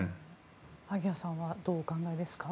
萩谷さんはどうお考えですか？